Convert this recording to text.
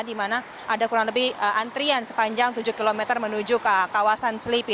di mana ada kurang lebih antrian sepanjang tujuh km menuju ke kawasan selipi